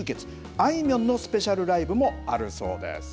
あいみょんのスペシャルライブもあるそうです。